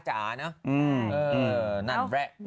นั่นแหละ